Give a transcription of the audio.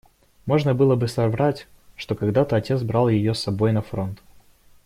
Можно было бы соврать, что когда-то отец брал ее с собой на фронт.